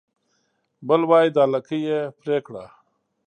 بل وای دا لکۍ يې پرې کړه